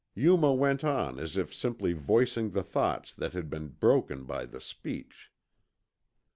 Yuma went on as if simply voicing the thoughts that had been broken by the speech.